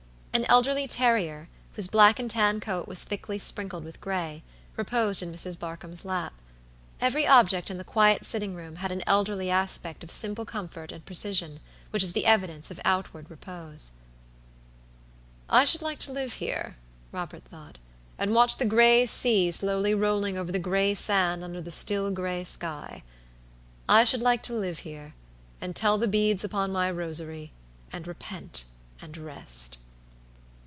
An elderly terrier, whose black and tan coat was thickly sprinkled with gray, reposed in Mrs. Barkamb's lap. Every object in the quiet sitting room had an elderly aspect of simple comfort and precision, which is the evidence of outward repose. "I should like to live here," Robert thought, "and watch the gray sea slowly rolling over the gray sand under the still, gray sky. I should like to live here, and tell the beads upon my rosary, and repent and rest."